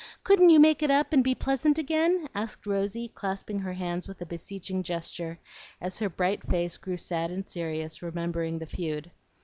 Couldn't you make it up, and be pleasant again?" asked Rosy, clasping her hands with a beseeching gesture as her bright face grew sad and serious remembering the feud.